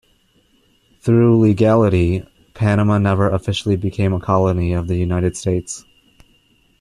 Through legality, Panama never officially became a colony of the United States.